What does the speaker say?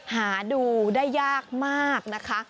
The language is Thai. หาดูได้ยากมากนะคะ